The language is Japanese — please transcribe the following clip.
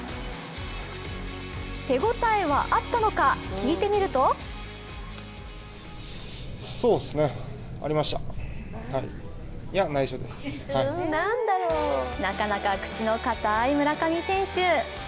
手応えはあったのか聞いてみるとなかなか口の堅い村上選手。